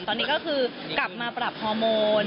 ตอนนี้ก็คือกลับมาปรับฮอร์โมน